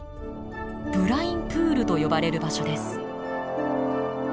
ブラインプールと呼ばれる場所です。